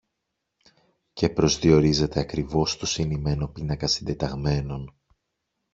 και προσδιορίζεται ακριβώς στο συνημμένο πίνακα συντεταγμένων